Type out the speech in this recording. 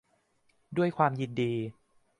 ด้วยความยินดี